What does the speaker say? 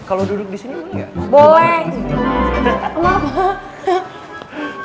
kalau duduk di sini boleh